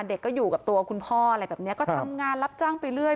เด็กก็อยู่กับตัวคุณพ่ออะไรแบบนี้ก็ทำงานรับจ้างไปเรื่อย